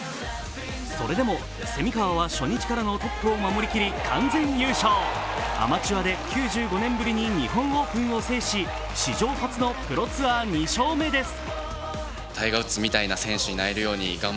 それでも蝉川は初日からのトップを守りきり完全優勝、アマチュアで９５年ぶりに日本オープンを制し史上初のプロツアー２勝目です。